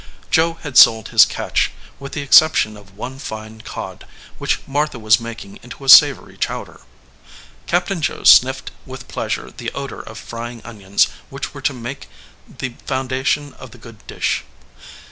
Joe had sold his catch, with the exception of one fine cod, which Martha was making into a savory chowder. Captain Joe sniffed with pleasure the odor of frying onions which were to make the foundation of the good dish.